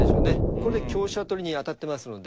これで香車取りに当たってますので。